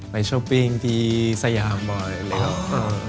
ช้อปปิ้งที่สยามบ่อยเลยครับ